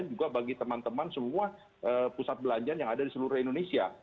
dan juga bagi teman teman semua pusat perbelanjaan yang ada di seluruh indonesia